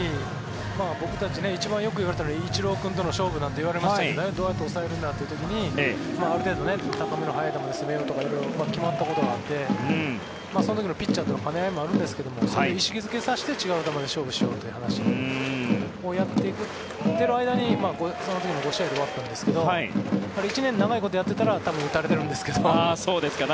僕たち、一番よくいわれたのはイチロー君との勝負なんて言われましたけどどうやって抑えるんだという時にある程度、速めの高い球で攻めようとか決まったことがあってその時のピッチャーとの兼ね合いもあるんですけどそういう意識付けさせて違う球で勝負しようという話をやっていく間にその時は５試合で終わったんですが１年長いことやっていたら多分打たれているんですけど。